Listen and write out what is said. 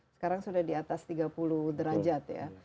sekarang sudah di atas tiga puluh derajat ya